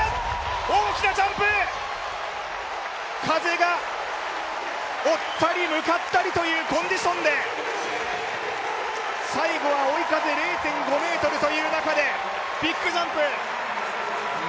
大きなジャンプ、風が追ったり向かったりというコンディションで最後は追い風０．５メートルという中でビッグジャンプ。